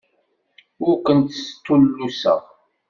Ur kent-stulluseɣ.